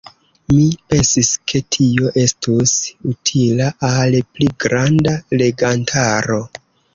Mi pensis, ke tio estus utila al pli granda legantaro.